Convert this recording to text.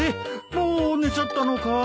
もう寝ちゃったのかい？